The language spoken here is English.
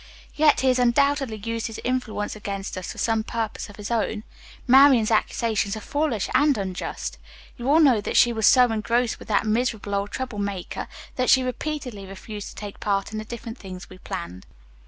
Yet he has undoubtedly used his influence against us for some purpose of his own. Marian's accusations are foolish and unjust. You all know that she was so engrossed with that miserable old trouble maker that she repeatedly refused to take part in the different things we planned."